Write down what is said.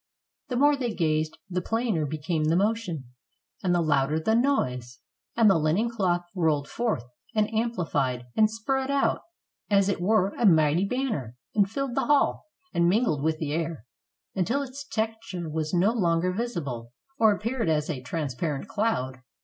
The more they gazed, the plainer became the motion, and the louder the noise; and the linen cloth rolled forth, and amplified, and spread out, as it were, a mighty banner, and filled the hall, and mingled with the air, until its texture was no longer visible, or ap peared as a transparent cloud.